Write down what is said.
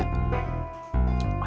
kenapa udah gak kerja